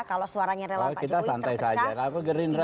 kalau suaranya rela pak cukwi terpecah